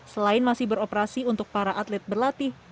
selain masih beroperasi untuk para atlet berlatih